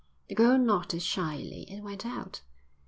The girl nodded shyly and went out.